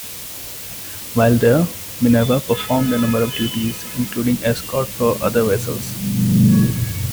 While there, "Minerva" performed a number of duties, including escort for other vessels.